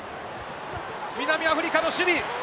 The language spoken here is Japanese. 南アフリカの守備。